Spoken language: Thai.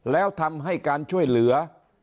แล้วทำให้การช่วยเหลือ